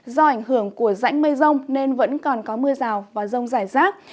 do ảnh hưởng của rãnh mây rông nên vẫn còn có mưa rào và rông rải rác